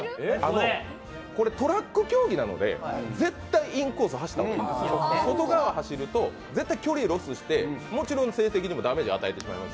トラック競技なので絶対インコース走った方がいいんですけど外側を走ると絶対距離をロスしてもちろん成績にもダメージを与えてしまう。